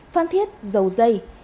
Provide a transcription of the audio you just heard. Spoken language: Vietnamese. phan thiết dầu dây